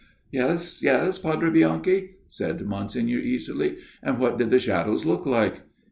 " Yes, yes, Padre Bianchi," said Monsignor, easily, " and what did the shadows look like